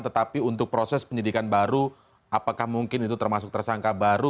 tetapi untuk proses penyidikan baru apakah mungkin itu termasuk tersangka baru